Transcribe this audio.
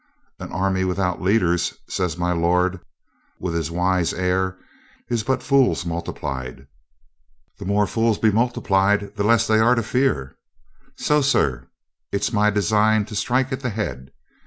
"An army without leaders," says my lord with his wise air, "is but fools multiplied. The more fools be multiplied the less they are to fear. So, sir, it's my design to strike at the head.